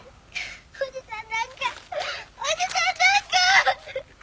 おじさんなんかおじさんなんかーっ！